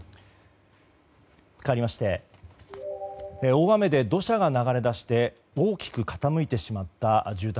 かわりまして大雨で土砂が流れ出して大きく傾いてしまった住宅。